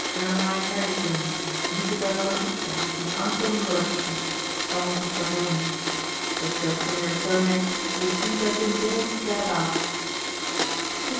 'Eremei Kariakin, Nikita Volokita and Anton Volokita (son of the foregoing).' To judge from your surnames, you would seem to have been born gadabouts .